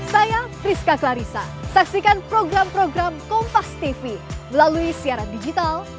saya priska clarissa saksikan program program kompas tv melalui siaran digital